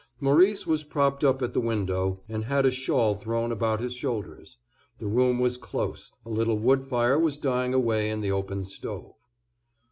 Maurice was propped up at the window, and had a shawl thrown about his shoulders. The room was close; a little wood fire was dying away in the open stove.